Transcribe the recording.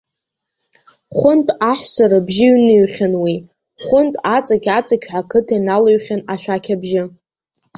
Хәынтә аҳәса рыбжьы ҩныҩхьан уи, хәынтә аҵықь-аҵықьҳәа ақыҭа иналыҩхьан ашәақь абжьы.